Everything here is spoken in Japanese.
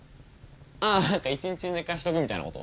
ああ何か一日寝かしとくみたいなこと？